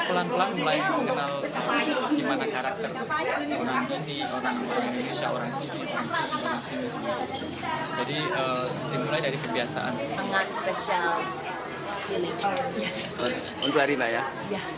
pelan pelan mulai mengenal gimana karakter ini orang orang indonesia orang sini jadi dari kebiasaan